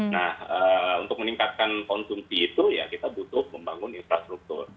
nah untuk meningkatkan konsumsi itu ya kita butuh membangun infrastruktur